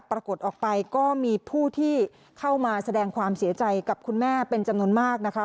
ปรากฏออกไปก็มีผู้ที่เข้ามาแสดงความเสียใจกับคุณแม่เป็นจำนวนมากนะคะ